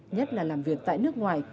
nhất là làm việc tại nước ngoài